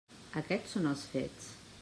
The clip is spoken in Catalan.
Aquests són els fets.